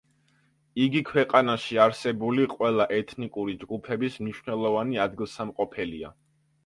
იგი ქვეყანაში არსებული ყველა ეთნიკური ჯგუფების მნიშვნელოვანი ადგილსამყოფელია.